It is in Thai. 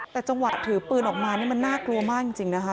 แต่จังหวะถือปืนออกมานี่มันน่ากลัวมากจริงนะคะ